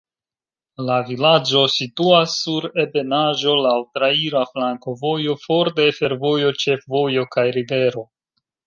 La vilaĝo situas sur ebenaĵo, laŭ traira flankovojo, for de fervojo, ĉefvojo kaj rivero.